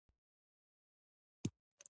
ژورې سرچینې د افغانستان د طبیعت د ښکلا برخه ده.